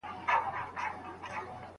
ميرمن به د چا امرمنونکې وي؟